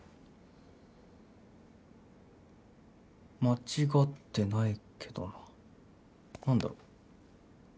間違ってないけどな何だろ？